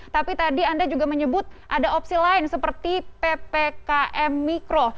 tapi tadi anda juga menyebut ada opsi lain seperti ppkm mikro